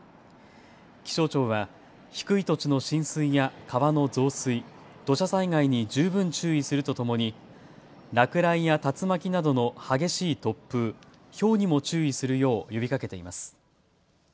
気象庁は低い土地の浸水や川の増水、土砂災害に十分注意するとともに落雷や竜巻などの激しい突風、ひょうにも注意するよう呼びかけています。